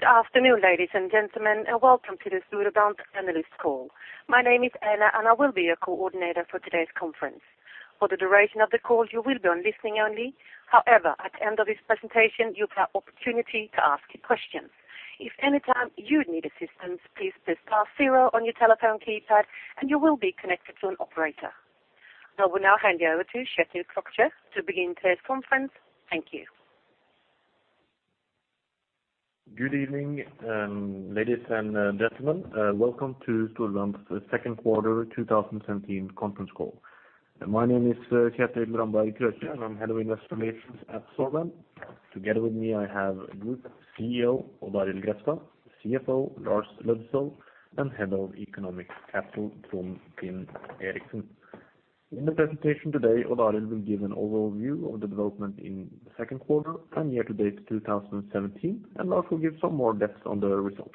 Good afternoon, ladies and gentlemen, and welcome to the Storebrand analyst call. My name is Anna, and I will be your coordinator for today's conference. For the duration of the call, you will be on listening only. However, at the end of this presentation, you'll have opportunity to ask your questions. If any time you need assistance, please press star zero on your telephone keypad, and you will be connected to an operator. I will now hand you over to Kjetil Krøkje to begin today's conference. Thank you. Good evening, ladies and gentlemen, welcome to Storebrand's second quarter 2017 conference call. My name is Kjetil Ramberg Krøkje, and I'm head of investor relations at Storebrand. Together with me, I have Group CEO Odd Arild Grefstad, CFO Lars Aasulv Løddesøl, and head of economics, Jan Erik Saugestad. In the presentation today, Odd Arild will give an overview of the development in the second quarter and year-to-date 2017, and Lars will give some more depth on the results.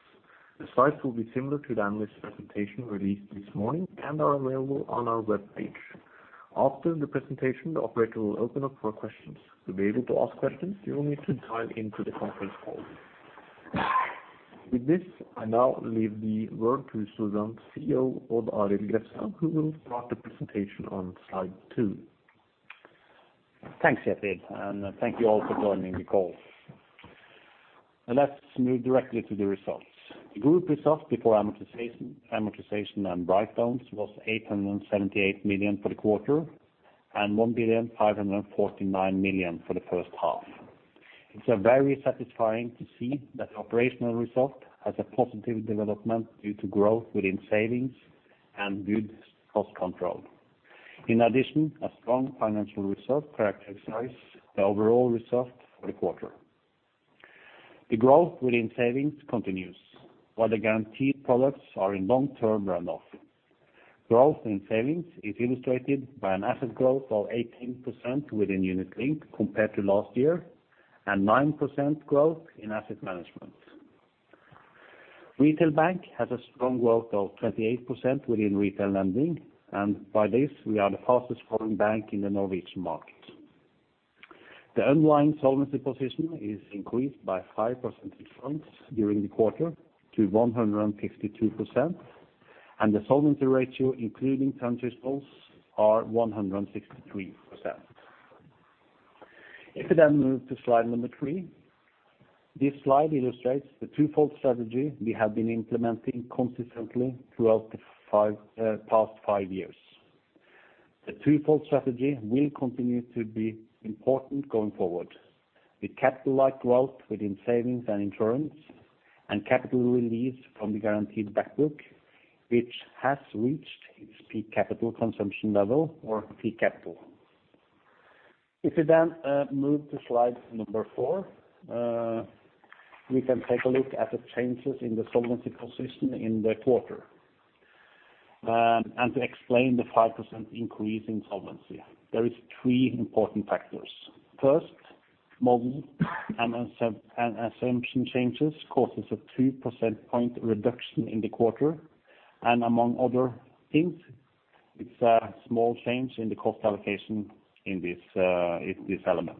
The slides will be similar to the analyst presentation released this morning and are available on our web page. After the presentation, the operator will open up for questions. To be able to ask questions, you will need to dial into the conference call. With this, I now leave the word to Storebrand's CEO, Odd Arild Grefstad, who will start the presentation on slide two. Thanks, Kjetil, and thank you all for joining the call. Let's move directly to the results. The group result before amortization, amortization and write-downs was 878 million for the quarter and 1,549 million for the first half. It's very satisfying to see that the operational result has a positive development due to growth within savings and good cost control. In addition, a strong financial result characterized the overall result for the quarter. The growth within savings continues, while the guaranteed products are in long-term runoff. Growth in savings is illustrated by an asset growth of 18% within Unit Linked compared to last year and 9% growth in asset management. Retail bank has a strong growth of 28% within retail lending, and by this, we are the fastest growing bank in the Norwegian market. The underlying solvency position is increased by 5 percentage points during the quarter to 152%, and the solvency ratio, including transitional, are 163%. If we then move to slide 3, this slide illustrates the twofold strategy we have been implementing consistently throughout the past 5 years. The twofold strategy will continue to be important going forward. With capital like growth within savings and insurance and capital release from the guaranteed backbook, which has reached its peak capital consumption level or peak capital. If we then move to slide 4, we can take a look at the changes in the solvency position in the quarter. And to explain the 5% increase in solvency, there is 3 important factors. First, model and assumption changes causes a 2 percentage point reduction in the quarter, and among other things, it's a small change in the cost allocation in this, in this element.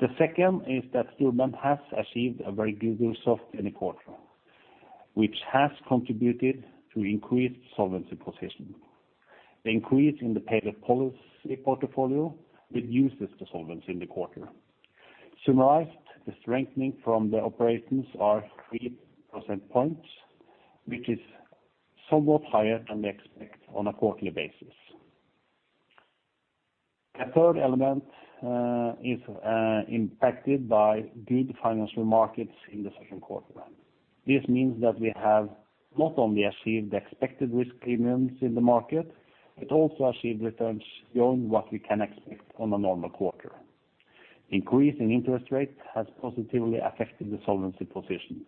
The second is that Storebrand has achieved a very good result in the quarter, which has contributed to increased solvency position. The increase in the paid-up policy portfolio reduces the solvency in the quarter. Summarized, the strengthening from the operations are 3 percentage points, which is somewhat higher than we expect on a quarterly basis. The third element is impacted by good financial markets in the second quarter. This means that we have not only achieved the expected risk premiums in the market, but also achieved returns beyond what we can expect on a normal quarter. Increase in interest rate has positively affected the solvency position.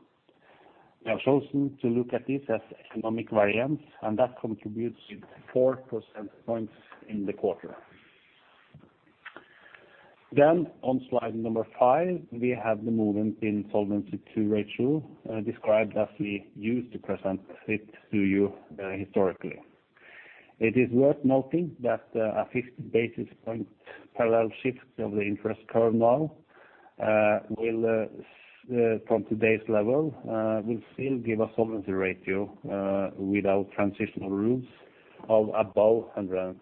We have chosen to look at this as economic variance, and that contributes with 4 percentage points in the quarter. Then on slide number 5, we have the movement in Solvency II ratio, described as we used to present it to you, historically. It is worth noting that, a 50 basis point parallel shift of the interest curve now, will, from today's level, will still give a solvency ratio, without transitional rules of above 140%.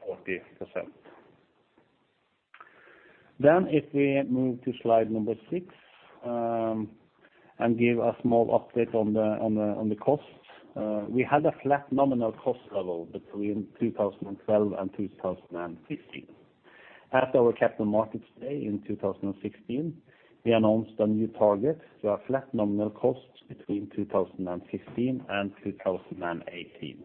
Then, if we move to slide number 6, and give a small update on the costs. We had a flat nominal cost level between 2012-2015. At our capital markets day in 2016, we announced a new target to a flat nominal costs between 2015 and 2018.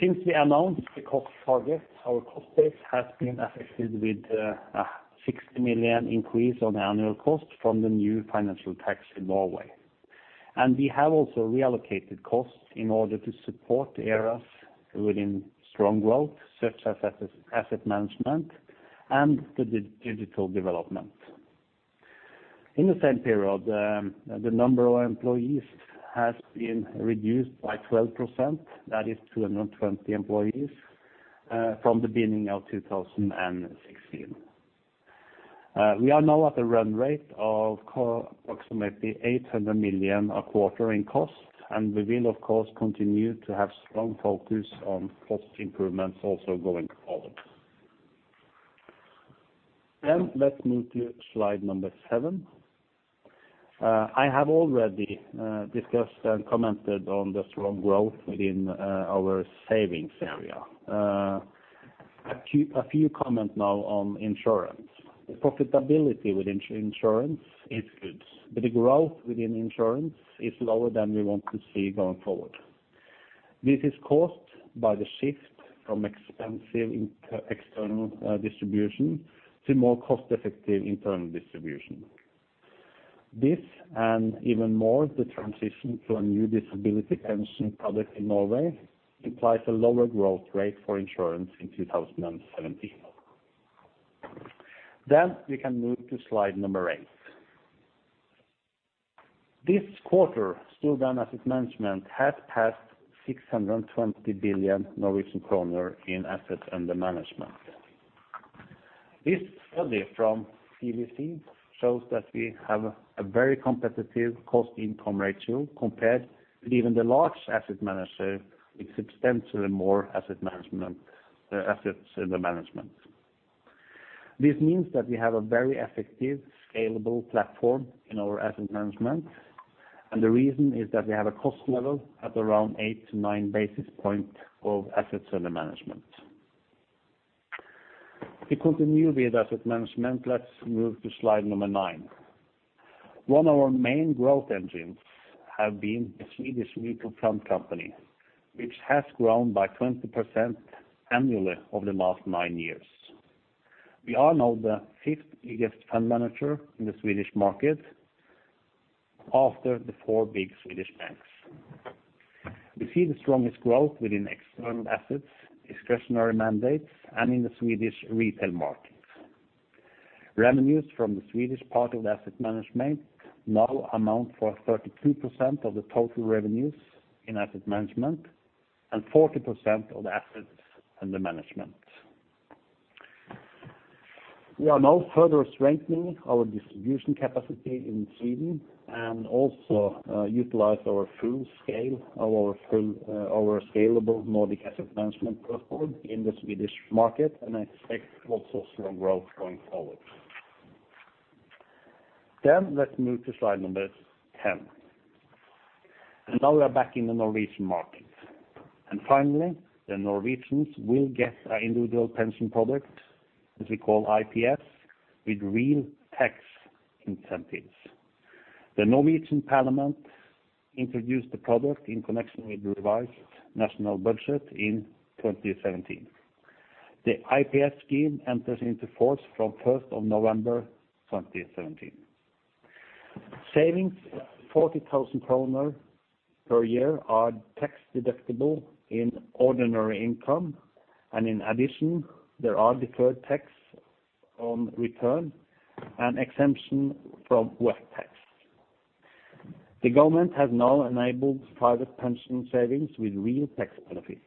Since we announced the cost target, our cost base has been affected with 60 million increase on annual cost from the new financial tax in Norway. We have also reallocated costs in order to support the areas within strong growth, such as asset management and the digital development. In the same period, the number of employees has been reduced by 12%, that is 220 employees from the beginning of 2016. We are now at a run rate of approximately 800 million a quarter in cost, and we will, of course, continue to have strong focus on cost improvements also going forward. Then let's move to slide 7. I have already discussed and commented on the strong growth within our savings area. A few comments now on insurance. The profitability with insurance is good, but the growth within insurance is lower than we want to see going forward. This is caused by the shift from expensive external distribution to more cost effective internal distribution. This, and even more, the transition to a new disability pension product in Norway, implies a lower growth rate for insurance in 2017. Then we can move to slide 8. This quarter, Storebrand Asset Management has passed 620 billion Norwegian kroner in assets under management. This study from CEM shows that we have a very competitive cost-income ratio compared with even the large asset manager with substantially more asset management, assets under management. This means that we have a very effective, scalable platform in our asset management, and the reason is that we have a cost level at around 8-9 basis points of assets under management. To continue with asset management, let's move to slide number 9. One of our main growth engines have been the Swedish retail fund company, which has grown by 20% annually over the last 9 years. We are now the fifth biggest fund manager in the Swedish market after the 4 big Swedish banks. We see the strongest growth within external assets, discretionary mandates, and in the Swedish retail markets. Revenues from the Swedish part of the asset management now amount for 32% of the total revenues in asset management, and 40% of the assets under management. We are now further strengthening our distribution capacity in Sweden, and also utilize our full scale of our full, our scalable Nordic Asset Management platform in the Swedish market, and I expect also strong growth going forward. Let's move to slide number 10. We are back in the Norwegian market. Finally, the Norwegians will get an individual pension product, as we call IPS, with real tax incentives. The Norwegian parliament introduced the product in connection with the revised national budget in 2017. The IPS scheme enters into force from 1st, November, 2017. Savings of 40,000 kroner per year are tax deductible in ordinary income, and in addition, there are deferred tax on return and exemption from wealth tax. The government has now enabled private pension savings with real tax benefits,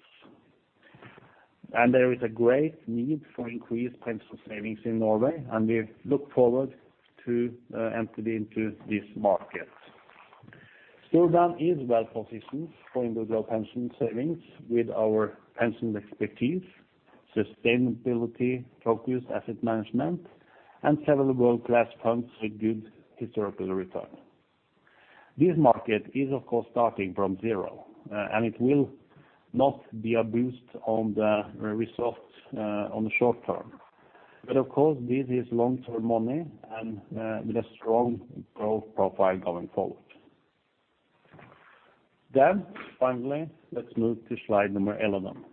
and there is a great need for increased pension savings in Norway, and we look forward to, entering into this market. Storebrand is well positioned for individual pension savings with our pension expertise, sustainability, focused asset management, and several world class funds with good historical return. This market is, of course, starting from zero, and it will not be a boost on the results, on the short term. But of course, this is long-term money and, with a strong growth profile going forward. Then finally, let's move to slide number 11.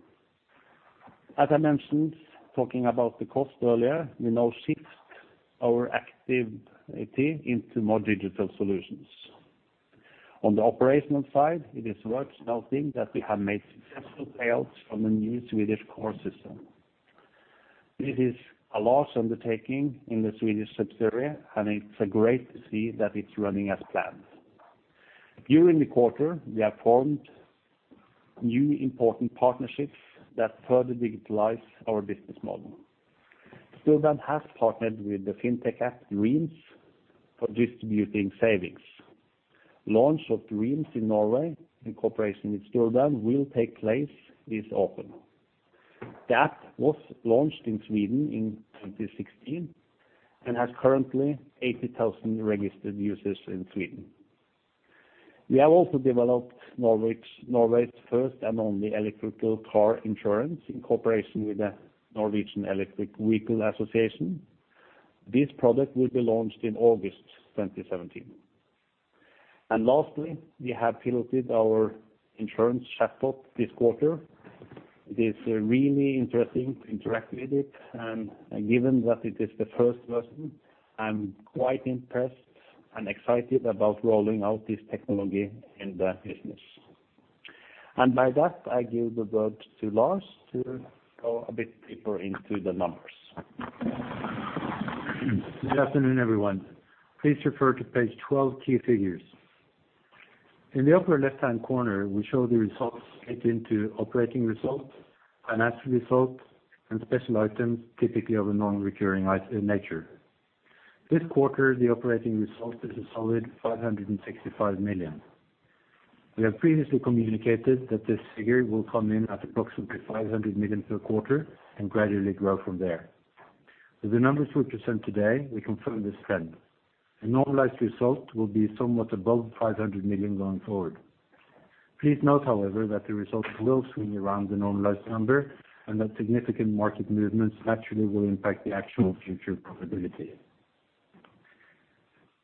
As I mentioned, talking about the cost earlier, we now shift our activity into more digital solutions. On the operational side, it is worth noting that we have made successful sales from the new Swedish core system. This is a large undertaking in the Swedish subsidiary, and it's great to see that it's running as planned. During the quarter, we have formed new important partnerships that further digitalize our business model. Storebrand has partnered with the fintech app Dreams for distributing savings. Launch of Dreams in Norway, in cooperation with Storebrand, will take place this autumn. The app was launched in Sweden in 2016 and has currently 80,000 registered users in Sweden. We have also developed Norway's first and only electric car insurance in cooperation with the Norwegian Electric Vehicle Association. This product will be launched in August 2017. And lastly, we have piloted our insurance chatbot this quarter. It is really interesting to interact with it, and given that it is the first version, I'm quite impressed and excited about rolling out this technology in the business. By that, I give the word to Lars to go a bit deeper into the numbers. Good afternoon, everyone. Please refer to page 12, key figures. In the upper left-hand corner, we show the results into operating results, financial results, and special items, typically of a non-recurring in nature. This quarter, the operating result is a solid 565 million. We have previously communicated that this figure will come in at approximately 500 million per quarter and gradually grow from there. With the numbers we present today, we confirm this trend. A normalized result will be somewhat above 500 million going forward. Please note, however, that the results will swing around the normalized number and that significant market movements naturally will impact the actual future profitability.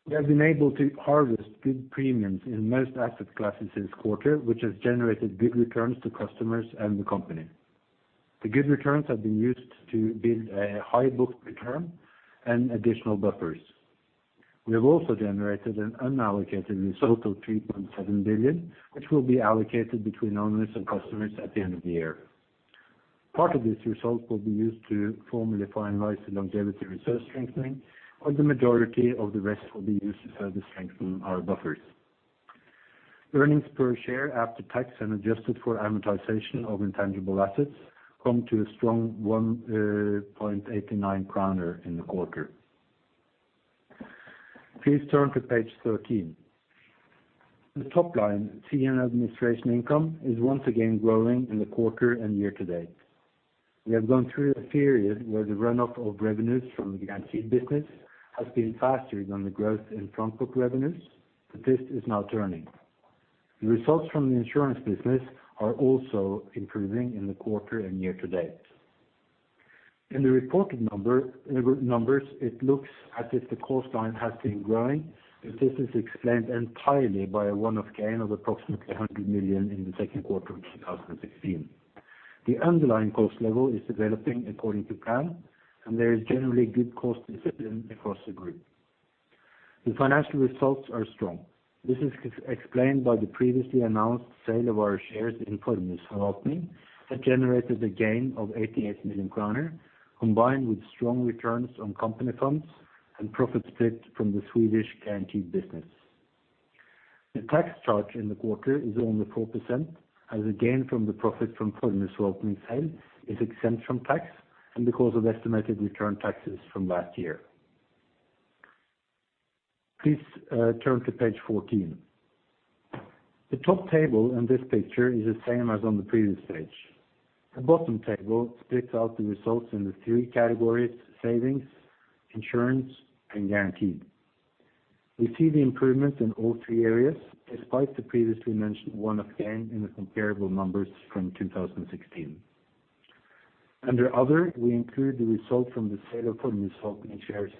We have been able to harvest good premiums in most asset classes this quarter, which has generated good returns to customers and the company. The good returns have been used to build a high book return and additional buffers. We have also generated an unallocated result of 3.7 billion, which will be allocated between owners and customers at the end of the year. Part of this result will be used to formally finalize the longevity reserve strengthening, and the majority of the rest will be used to further strengthen our buffers. Earnings per share after tax and adjusted for amortization of intangible assets come to a strong 1.89 kroner in the quarter. Please turn to page 13. The top line, fee and administration income, is once again growing in the quarter and year to date. We have gone through a period where the run off of revenues from the guaranteed business has been faster than the growth in front book revenues, but this is now turning. The results from the insurance business are also improving in the quarter and year to date. In the reported number, numbers, it looks as if the cost line has been growing, but this is explained entirely by a one-off gain of approximately 100 million in the second quarter of 2016. The underlying cost level is developing according to plan, and there is generally good cost discipline across the group. The financial results are strong. This is explained by the previously announced sale of our shares inFormuesforvaltning, that generated a gain of 88 million kroner, combined with strong returns on company funds and profit split from the Swedish guaranteed business. The tax charge in the quarter is only 4%, as a gain from the profit fromFormuesforvaltning sale is exempt from tax and because of estimated return taxes from last year. Please, turn to page 14. The top table in this picture is the same as on the previous page. The bottom table splits out the results in the three categories: savings, insurance, and guaranteed. We see the improvement in all three areas, despite the previously mentioned one-off gain in the comparable numbers from 2016. Under other, we include the result from the sale ofFormuesforvaltning shares.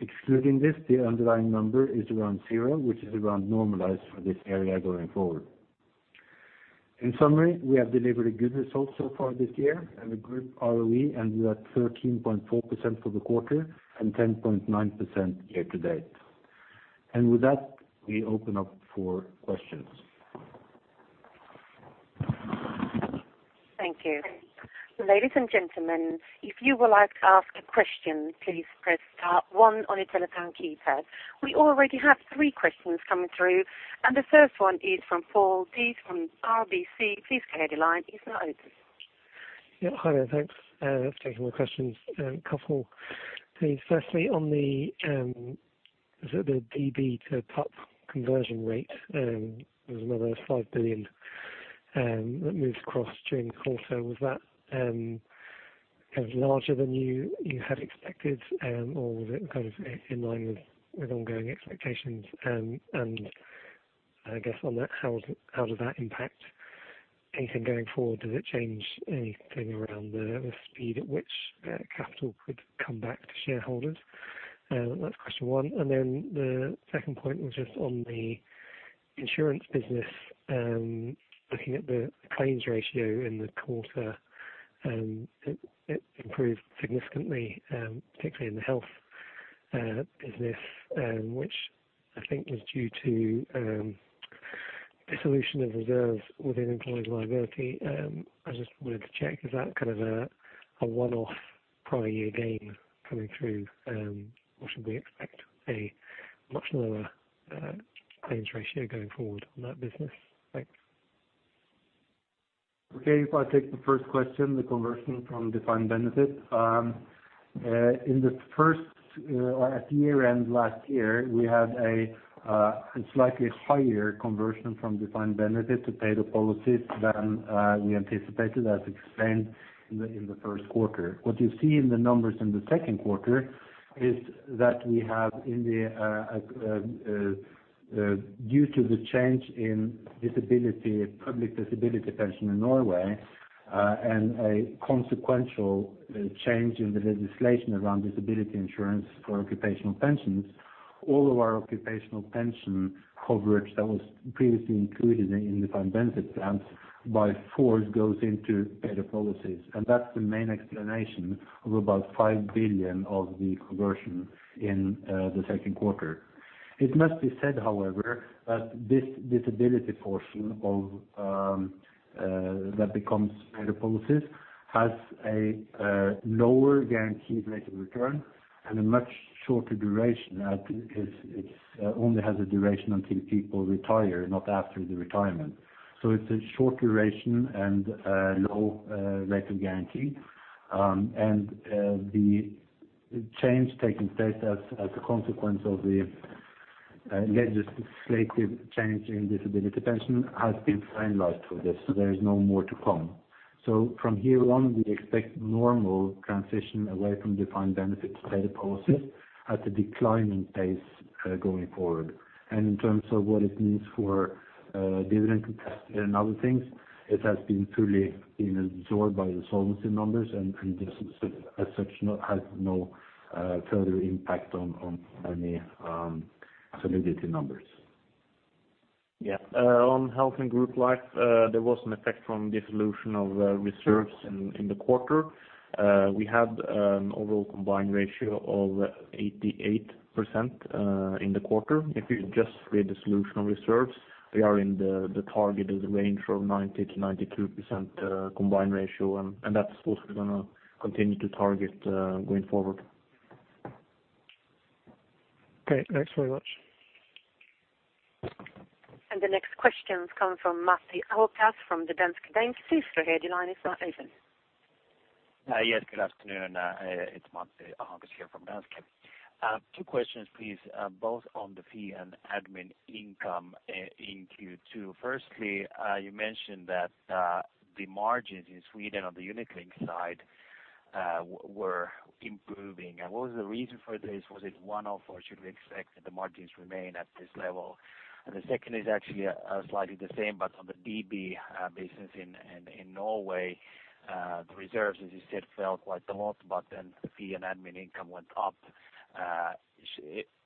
Excluding this, the underlying number is around zero, which is around normalized for this area going forward. In summary, we have delivered a good result so far this year and the group ROE ended at 13.4% for the quarter and 10.9% year to date. And with that, we open up for questions. Thank you. Ladies and gentlemen, if you would like to ask a question, please press star one on your telephone keypad. We already have three questions coming through, and the first one is from Paul De'Ath from RBC. Please go ahead, your line is now open. Yeah, hi there. Thanks for taking my questions, a couple. Please, firstly, on the DB to PUP conversion rate, there was another 5 billion that moved across during the quarter. Was that kind of larger than you had expected, or was it kind of in line with ongoing expectations? And I guess on that, how does that impact anything going forward? Does it change anything around the speed at which capital could come back to shareholders? That's question one. And then the second point was just on the insurance business, looking at the claims ratio in the quarter, it improved significantly, particularly in the health business, which I think was due to dissolution of reserves within employee liability. I just wanted to check, is that kind of a, a one-off prior year gain coming through? Or should we expect a much lower, claims ratio going forward on that business? Thanks. Okay, if I take the first question, the conversion from defined benefit. In the first, at year end last year, we had a slightly higher conversion from defined benefit to paid-up policies than we anticipated as explained in the first quarter. What you see in the numbers in the second quarter is that we have due to the change in the public disability pension in Norway, and a consequential change in the legislation around disability insurance for occupational pensions, all of our occupational pension coverage that was previously included in defined benefit plans by force goes into paid-up policies. And that's the main explanation of about 5 billion of the conversion in the second quarter. It must be said, however, that this disability portion of that becomes policies has a lower guaranteed rate of return and a much shorter duration. It's only has a duration until people retire, not after the retirement. So it's a short duration and low rate of guarantee. And the change taking place as a consequence of the legislative change in disability pension has been finalized for this, so there is no more to come. So from here on, we expect normal transition away from defined benefit to paid-up policies at a declining pace, going forward. And in terms of what it means for dividend and other things, it has been fully been absorbed by the solvency numbers, and as such, no has no further impact on any solidity numbers. Yeah. On health and group life, there was an effect from dissolution of reserves in the quarter. We had an overall combined ratio of 88% in the quarter. If you just read the dissolution reserves, we are in the targeted range from 90%-92% combined ratio, and that's what we're gonna continue to target going forward. Okay, thanks very much. The next question comes from Matti Ahokas from Danske Bank. Please go ahead, your line is now open. Yes, good afternoon. It's Matti Ahokas here from Danske. Two questions, please, both on the fee and admin income, in Q2. Firstly, you mentioned that the margins in Sweden on the unit-linked side were improving. And what was the reason for this? Was it one-off, or should we expect that the margins remain at this level? And the second is actually slightly the same, but on the DB business in Norway, the reserves, as you said, fell quite a lot, but then the fee and admin income went up.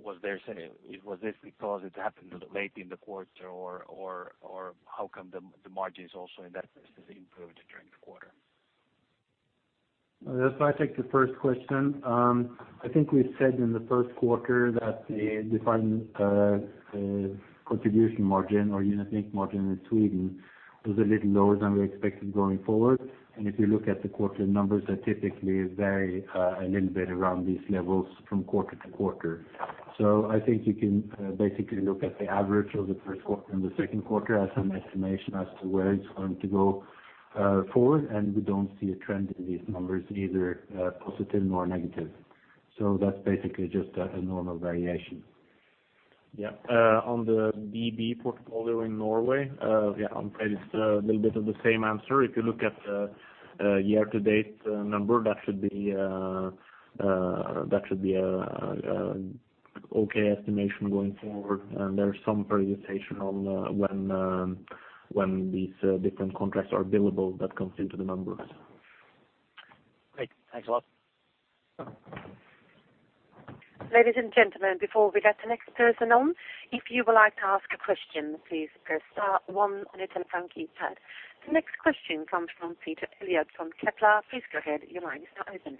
Was this because it happened late in the quarter, or how come the margins also in that business improved during the quarter? Yes, if I take the first question. I think we said in the first quarter that the defined contribution margin or unit-linked margin in Sweden was a little lower than we expected going forward. And if you look at the quarterly numbers, they typically vary a little bit around these levels from quarter to quarter. So I think you can basically look at the average of the first quarter and the second quarter as an estimation as to where it's going to go forward. And we don't see a trend in these numbers, either positive nor negative. So that's basically just a normal variation. Yeah. On the DB portfolio in Norway, yeah, I'm afraid it's a little bit of the same answer. If you look at the year-to-date number, that should be an okay estimation going forward. And there's some presentation on when these different contracts are billable, that comes into the numbers. Great. Thanks a lot. Ladies and gentlemen, before we get the next person on, if you would like to ask a question, please press star one on your telephone keypad. The next question comes from Peter Elliott from Kepler. Please go ahead. Your line is now open.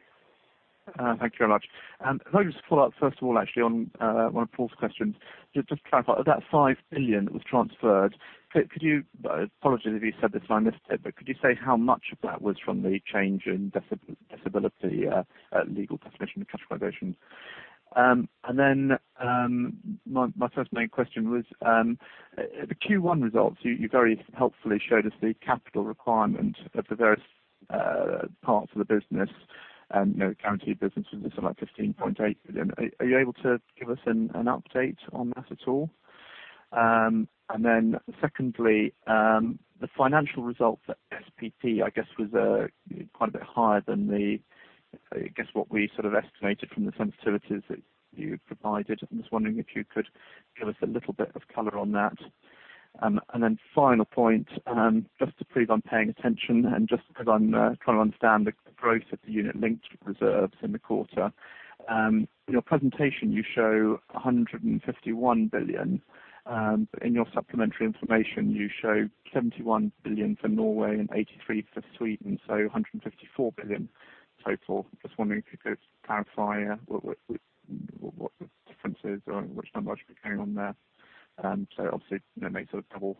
Thank you very much. Can I just follow up, first of all, actually, on one of Paul's questions, just to clarify, of that 5 billion that was transferred, could you. Apologies if you said this and I missed it, but could you say how much of that was from the change in disability legal definition and classification? And then my first main question was the Q1 results, you very helpfully showed us the capital requirement of the various parts of the business. And you know, guaranteed business was something like 15.8 billion. Are you able to give us an update on that at all? And then secondly, the financial results for SPP, I guess, was quite a bit higher than the, I guess what we sort of estimated from the sensitivities that you provided. I'm just wondering if you could give us a little bit of color on that. And then final point, just to prove I'm paying attention and just because I'm trying to understand the growth of the Unit-linked reserves in the quarter. In your presentation, you show 151 billion, but in your supplementary information, you show 71 billion for Norway and 83 billion for Sweden, so 154 billion total. Just wondering if you could clarify what the difference is or which numbers are going on there. So obviously, you know, makes it a double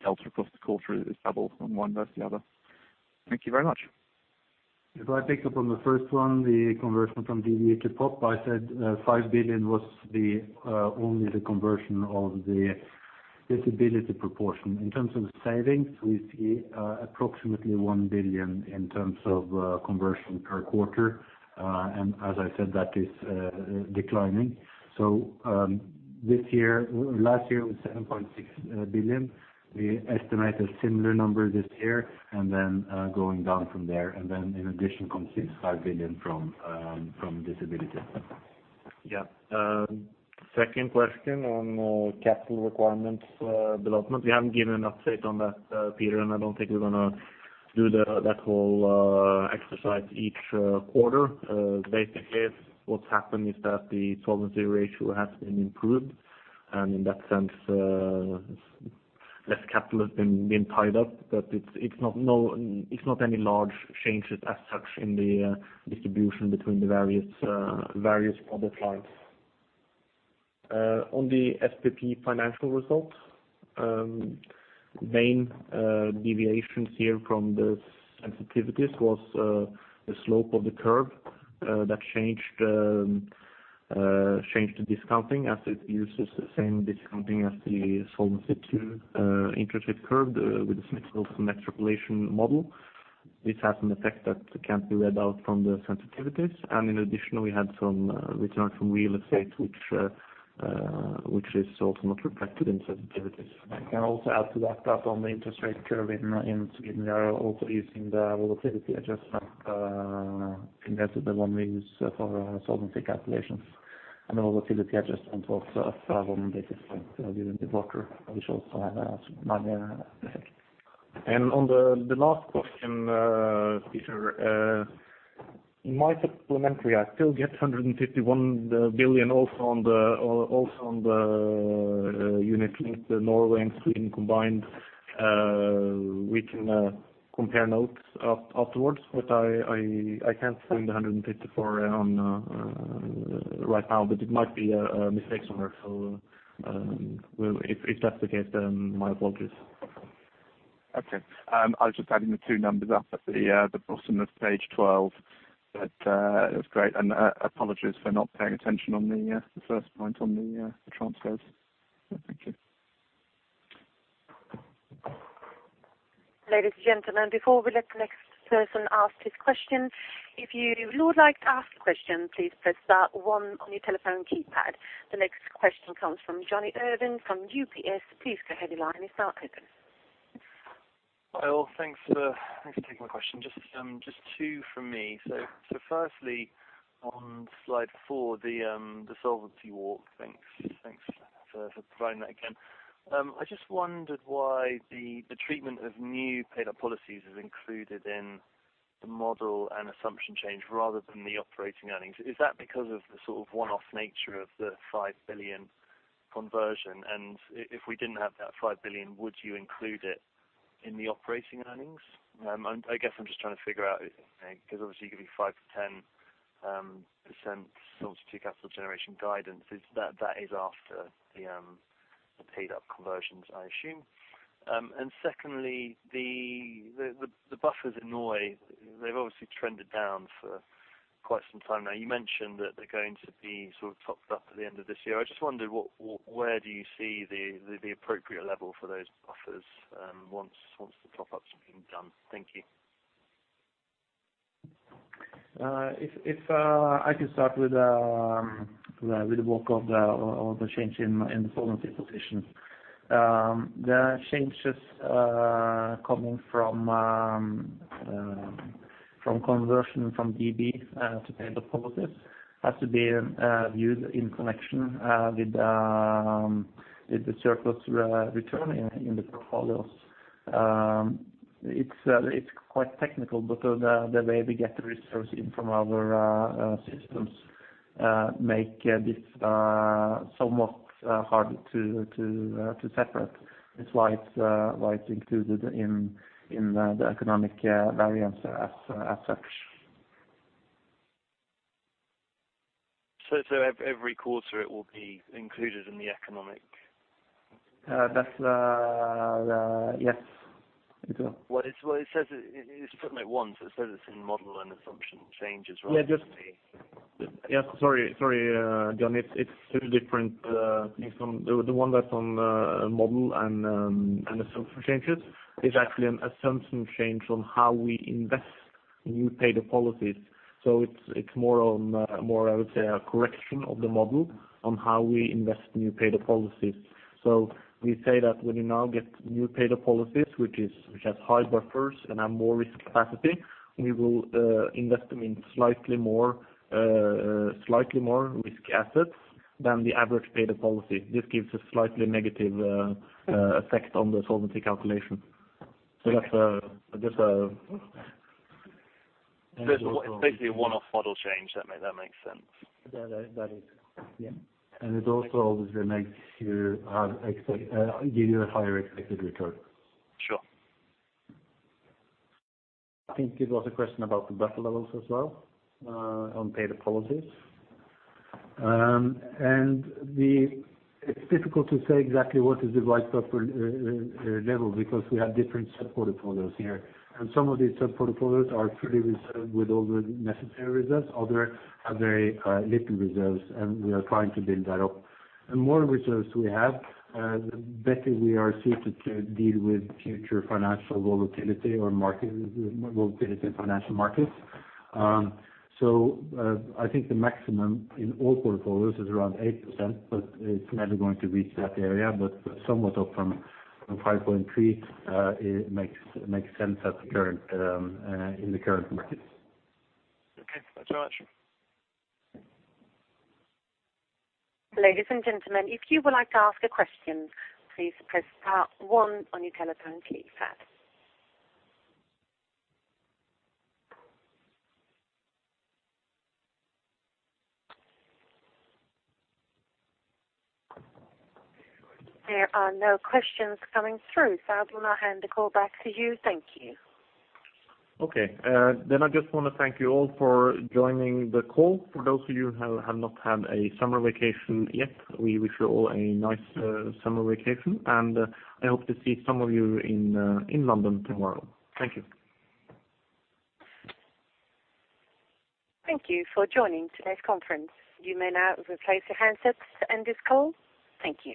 delta across the quarter is double from one versus the other. Thank you very much. If I pick up on the first one, the conversion from DB to PUP, I said, 5 billion was the only the conversion of the disability proportion. In terms of savings, we see approximately 1 billion in terms of conversion per quarter. And as I said, that is declining. So, this year—last year, it was 7.6 billion. We estimate a similar number this year, and then going down from there, and then in addition, comes 65 billion from disability. Yeah. Second question on capital requirements development. We haven't given an update on that, Peter, and I don't think we're gonna do that whole exercise each quarter. Basically, what's happened is that the solvency ratio has been improved, and in that sense, less capital has been tied up, but it's not any large changes as such in the distribution between the various product lines. On the SPP financial results, main deviations here from the sensitivities was the slope of the curve that changed the discounting as it uses the same discounting as the Solvency II interest rate curve with the Smith-Wilson extrapolation model. This has an effect that can't be read out from the sensitivities, and in addition, we had some return from real estate, which is also not reflected in sensitivities. I can also add to that, that on the interest rate curve in Sweden, we are also using the volatility adjustment, compared to the one we use for solvency calculations. And the volatility adjustment was one basis point during the quarter, which also had a minor effect. On the last question, Peter, in my supplementary, I still get 151 billion also on the unit links, the Norway and Sweden combined. We can compare notes afterwards, but I can't find the 154 billion right now, but it might be a mistake somewhere. So, we'll, if that's the case, then my apologies. Okay. I was just adding the two numbers up at the bottom of page 12, but it was great. Apologies for not paying attention on the first point on the transfers. Thank you. Ladies and gentlemen, before we let the next person ask his question, if you would like to ask a question, please press star one on your telephone keypad. The next question comes from Johnny Urwin from UBS. Please go ahead, the line is now open. Well, thanks for taking my question. Just two from me. So firstly, on slide four, the solvency waterfall. Thanks for providing that again. I just wondered why the treatment of new paid-up policies is included in the model and assumption change rather than the operating earnings. Is that because of the sort of one-off nature of the 5 billion conversion? And if we didn't have that 5 billion, would you include it in the operating earnings? I guess I'm just trying to figure out, because obviously you give me 5%-10% solvency capital generation guidance, is that after the paid-up conversions, I assume. And secondly, the buffers in Norway, they've obviously trended down for quite some time now. You mentioned that they're going to be sort of topped up at the end of this year. I just wondered where do you see the appropriate level for those buffers, once the top up's been done? Thank you. If I can start with the work of the change in the solvency position. The changes coming from conversion from DB to paid-up policies has to be viewed in connection with the surplus return in the portfolios. It's quite technical because the way we get the resource in from our systems make this somewhat hard to separate. That's why it's included in the economic variance as such. Every quarter it will be included in the economic? That's... Yes, it will. Well, it says it's footnote one, so it says it's in model and assumption changes, right? Yeah, just... Yeah, sorry, sorry, John, it's two different things. From the one that's on the model and assumption changes is actually an assumption change from how we invest new paid-up policies. So it's more, I would say, a correction of the model on how we invest new paid-up policies. So we say that when you now get new paid-up policies, which has high buffers and have more risk capacity, we will invest them in slightly more risk assets than the average paid-up policy. This gives a slightly negative effect on the solvency calculation. So that's just. It's basically a one-off model change. That makes sense. Yeah, that, that is. Yeah. It also obviously makes you have expect, give you a higher expected return. Sure. I think there was a question about the buffer levels as well, on paid-up policies. It's difficult to say exactly what is the right buffer level, because we have different sub-portfolios here, and some of these sub-portfolios are fully reserved with all the necessary reserves. Others have very little reserves, and we are trying to build that up. The more reserves we have, the better we are suited to deal with future financial volatility or market volatility in financial markets. So, I think the maximum in all portfolios is around 8%, but it's never going to reach that area, but somewhat up from 5.3%, it makes sense in the current markets. Okay, thanks very much. Ladies and gentlemen, if you would like to ask a question, please press star one on your telephone keypad. There are no questions coming through, so I will now hand the call back to you. Thank you. Okay. Then I just want to thank you all for joining the call. For those of you who have not had a summer vacation yet, we wish you all a nice summer vacation, and I hope to see some of you in London tomorrow. Thank you. Thank you for joining today's conference. You may now replace your handsets to end this call. Thank you.